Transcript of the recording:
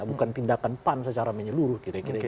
bukan tindakan pan secara menyeluruh